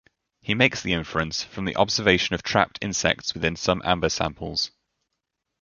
He makes the inference from the observation of trapped insects within some amber samples.